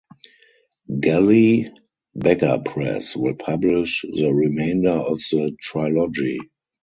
Galley Beggar Press will publish the remainder of the trilogy.